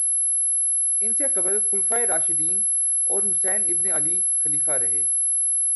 ان سے قبل خلفائے راشدین اور حسن ابن علی خلیفہ رہے